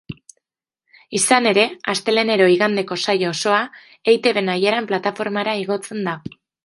Izan ere, astelehenero igandeko saio osoa eitb nahieran plataformara igotzen da.